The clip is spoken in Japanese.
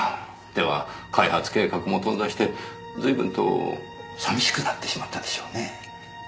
では開発計画も頓挫して随分と寂しくなってしまったでしょうねえ。